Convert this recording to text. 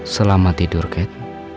selamat tidur kat